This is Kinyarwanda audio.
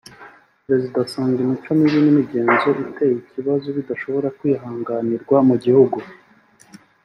Perezida asanga imico mibi n’imigenzo iteye ikibazo bidashobora kwihanganirwa mu gihugu